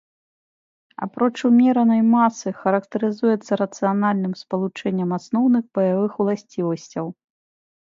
Апроч умеранай масы, характарызуецца рацыянальным спалучэннем асноўных баявых уласцівасцяў.